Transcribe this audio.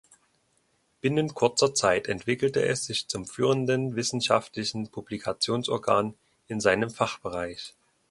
Binnen kurzer Zeit entwickelte es sich zum führenden wissenschaftlichen Publikationsorgan in seinem Fachbereich.